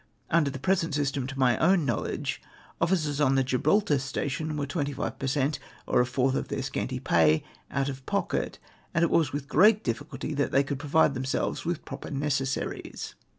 Under the present system, to my own knowledge, officers on the Gibraltar station were 25 per cent, or a fourth of their scanty pay, out of pocket, and it was with great difficidty that they could pro\T.de themselves Avith proper necessaries."